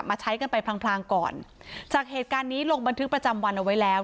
ใช้กันไปพลางพลางก่อนจากเหตุการณ์นี้ลงบันทึกประจำวันเอาไว้แล้ว